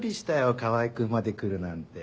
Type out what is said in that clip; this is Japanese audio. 川合君まで来るなんて。